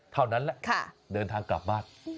เท่านั้นแหละเดินทางกลับบ้าน